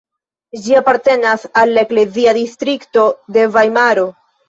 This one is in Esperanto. Ĝi apartenas al la eklezia distrikto de Vajmaro.